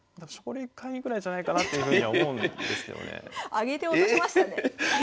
上げて落としましたね。